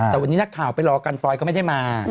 แต่วันนี้นักข่าวไปรอกันฟรอยก็ไม่ได้มา